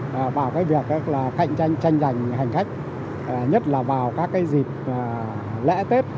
vào cái việc tranh giành hành khách nhất là vào các cái dịp lễ tết